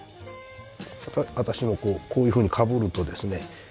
私もこういうふうにかぶるとですね